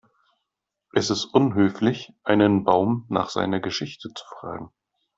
Es ist unhöflich, einen Baum nach seiner Geschichte zu fragen.